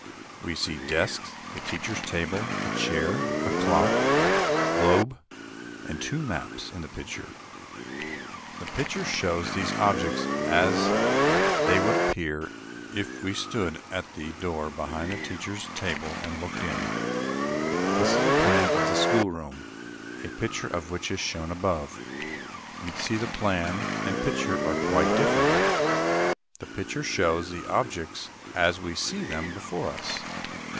We see desks, the teacher's table, a chair, a clock, globe, and two maps, in the picture. The picture shows these objects as they would appear if we stood at the door behind the teacher's table and looked in. This is a plan of the schoolroom, a picture of which is shown above. You see, the plan and picture are quite different. [Illustration: "THE PLAN SHOWS WHERE THE OBJECTS ARE."] The picture shows the objects as we see them before us.